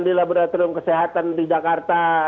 di laboratorium kesehatan di jakarta